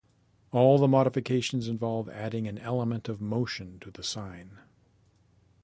All the modifications involve adding an element of motion to the sign.